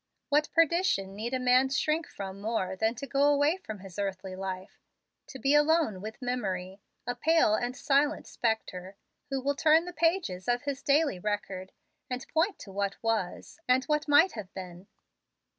What perdition need a man shrink from more than to go away from his earthly life, to be alone with memory a pale and silent spectre who will turn the pages of his daily record, and point to what was, and what might have been?